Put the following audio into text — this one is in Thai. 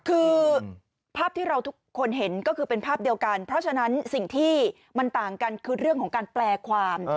คือภาพที่เราทุกคนเห็นก็คือเป็นภาพเดียวกันเพราะฉะนั้นสิ่งที่มันต่างกันคือเรื่องของการแปลความ